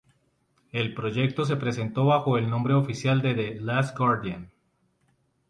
El proyecto se presentó bajo el nombre oficial "The Last Guardian"